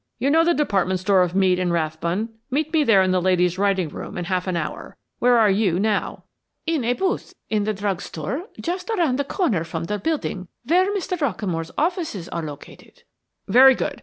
"You know the department store of Mead & Rathbun? Meet me there in the ladies' writing room in half an hour. Where are you now?" "In a booth in the drug store just around the corner from the building where Mr. Rockamore's offices are located." "Very good.